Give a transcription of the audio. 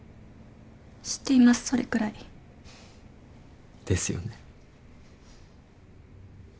知っていますそれくらい。ですよね。